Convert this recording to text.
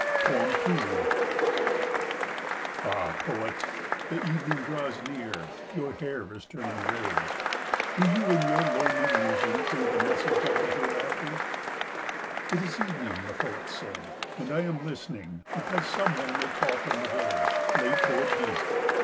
2 "Ah, poet, the evening draws near; your hair is turning grey. "Do you in your lonely musing hear the message of the hereafter?" "It is evening," the poet said, "and I am listening because some one may call from the village, late though it be.